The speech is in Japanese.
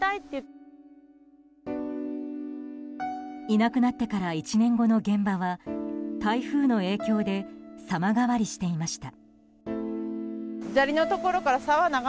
いなくなってから１年後の現場は台風の影響で様変わりしていました。